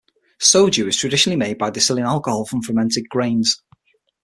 Soju is traditionally made by distilling alcohol from fermented grains.